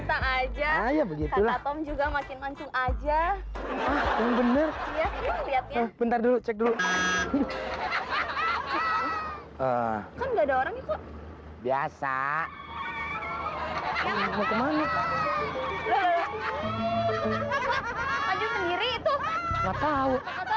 aja aja juga makin aja bener bener dulu